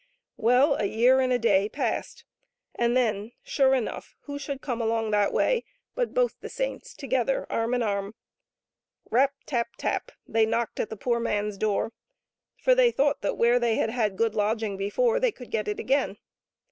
Well, a year and a day passed, and then, sure enough, who should come along that way but both the saints together, arm in arm. Rap ! tap ! tap ! they knocked at the poor man's door, for they thought that where they had ^l^etic^ man^eabs^afbisKt U^tlft&otntjK had good lodging before they could get it again.